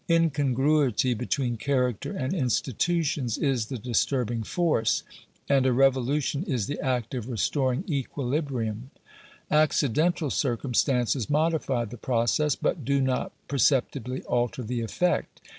Incongruity between character and institutions is the disturb ing force, Tgg Hfc rev o luti o n i s th o aot of r oo torin g eqtdtibriiim. Accidental circumstances modify the process, but do not per ceptibly alter the effect.